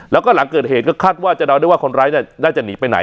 แล้วก็หลังเกิดเหตุก็คาดว่าจะเดาได้ว่าคนร้ายน่าจะหนีไปไหน